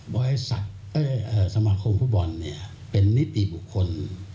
บ้อยสมัครองคู่บอลเป็นนิติบุคคล